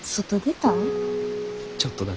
ちょっとだけな。